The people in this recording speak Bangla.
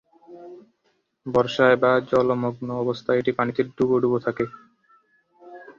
বর্ষায় বা জলমগ্ন অবস্থায় এটি পানিতে ডুবো ডুবো থাকে।